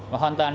và hoàn toàn